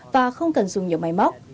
và không cần dùng nhiều máy móc